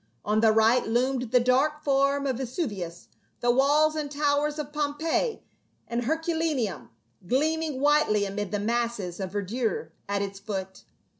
On the right loomed the dark form of Vesuvius, the walls and towers of Pompeii and Herculaneum gleaming whitely amid the masses of verdure at its foot.